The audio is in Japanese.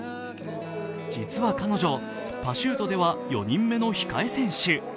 実は彼女、パシュートでは４人目の控え選手。